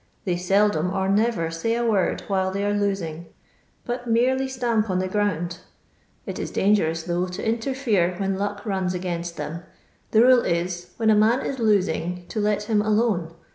They seldom or never lay a word while they are lotbg, but merely stamp on the ground ; it is dangerous, though, to interfere when lock rons against them. The rule is, when a man is losing to let him alone.